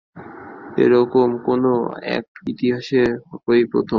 এরকম কোনো অ্যাক্ট ইতিহাসে এই প্রথম।